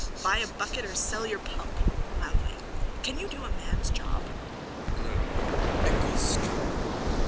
Buy a bucket or sell your pump. (Loudly.) Can you do a man's job? BLOOM: Eccles street...